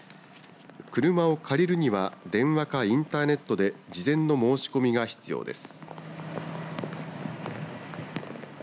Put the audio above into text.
車を借りるには電話か、インターネットで事前の申し込みが必要です。